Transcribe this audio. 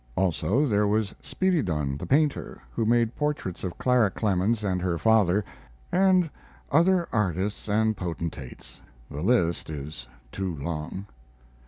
Also there was Spiridon, the painter, who made portraits of Clara Clemens and her father, and other artists and potentates the list is too long.